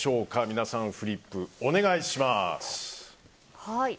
皆さん、フリップお願いします。